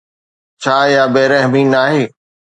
ڇا اها بي رحمي ناهي؟